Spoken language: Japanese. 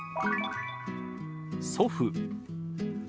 「祖父」。